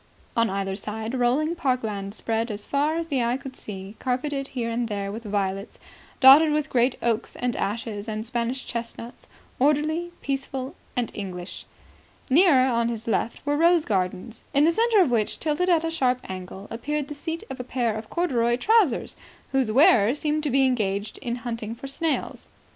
On either side rolling park land spread as far as the eye could see, carpeted here and there with violets, dotted with great oaks and ashes and Spanish chestnuts, orderly, peaceful and English. Nearer, on his left, were rose gardens, in the centre of which, tilted at a sharp angle, appeared the seat of a pair of corduroy trousers, whose wearer seemed to be engaged in hunting for snails.